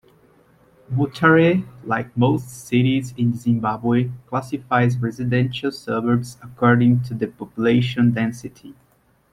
Mutare, like most cities in Zimbabwe, classifies residential suburbs according to the population density.